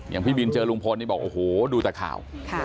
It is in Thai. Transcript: พี่บินเจอลุงพลนี่บอกโอ้โหดูแต่ข่าว